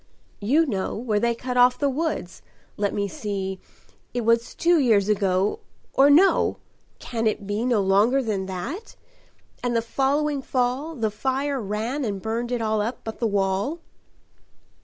"You know where they cut off the woods let me see It was two years ago or no! can it be No longer than that? and the following fall The fire ran and burned it all up but the wall."